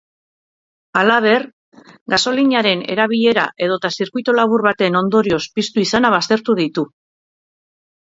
Halaber, gasolinaren erabilera edota zirkuitulabur baten ondorioz piztu izana baztertu ditu.